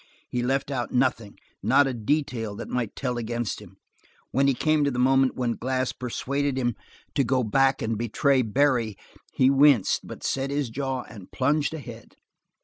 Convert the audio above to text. He left out nothing, not a detail that might tell against him. When he came to the moment when Glass persuaded him to go back and betray Barry he winced, but set his jaw and plunged ahead.